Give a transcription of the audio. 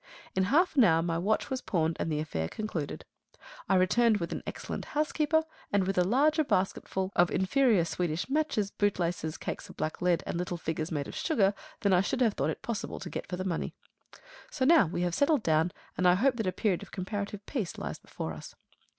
In half an hour my watch was pawned, and the affair concluded. I returned with an excellent housekeeper, and with a larger basketful of inferior Swedish matches, bootlaces, cakes of black lead, and little figures made of sugar than I should have thought it possible to get for the money. So now we have settled down, and I hope that a period of comparative peace lies before us.